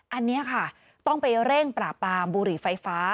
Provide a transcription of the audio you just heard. อันนี้ค่ะต้องไปเร่งปราบปรามบุหรี่ไฟฟ้า